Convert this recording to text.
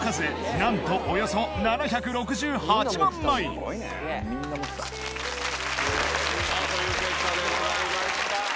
なんとおよそ７６８万枚という結果でございました。